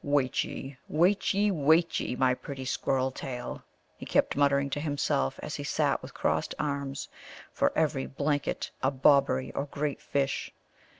"Wait ye, wait ye, wait ye, my pretty Squirrel tail," he kept muttering to himself as he sat with crossed arms. "For every blanket a Bobberie or great fish."